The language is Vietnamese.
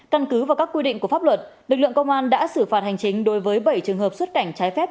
căn cứ và các quy định của pháp luật lực lượng công an đã xử phạt hành chính đối với bảy trường hợp xuất cảnh trái phép